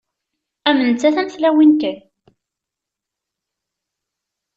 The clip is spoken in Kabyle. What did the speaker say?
Am nettat am tlawin kan.